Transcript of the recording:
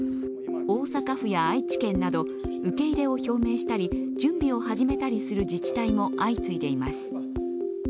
大阪府や愛知県など受け入れを表明したり準備を始めたりする自治体も相次いでいます。